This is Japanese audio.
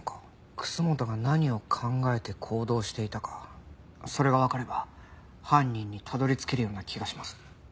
楠本が何を考えて行動していたかそれがわかれば犯人にたどり着けるような気がします。